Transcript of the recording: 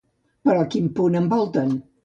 Però quin punt envolten?